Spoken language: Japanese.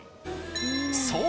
そう！